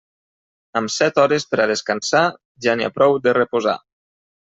Amb set hores per a descansar, ja n'hi ha prou de reposar.